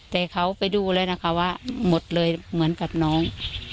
แต่เขาไปดูเลยนะคะว่าหมดเลยเหมือนกับน้อง